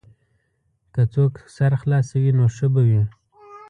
که څوک سر خلاصوي نو ښه به وي.